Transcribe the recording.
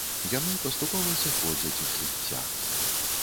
Яны паступова сыходзяць з жыцця.